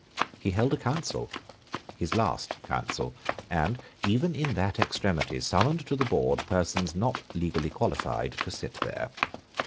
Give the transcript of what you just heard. He held a Council, his last Council, and, even in that extremity, summoned to the board persons not legally qualified to sit there.